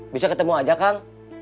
bisa ketemu aja kang